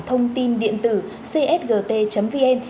thông tin điện tử csgt vn